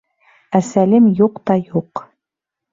Ә Сәлим юҡ та юҡ.